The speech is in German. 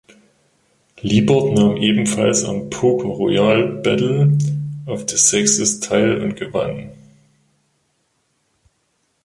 Liebert nahm ebenfalls am "Poker Royale: Battle of the Sexes" teil, und gewann.